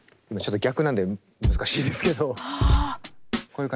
今ちょっと逆なんで難しいですけど。は。